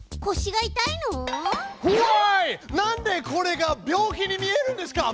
なんでこれが病気に見えるんですか？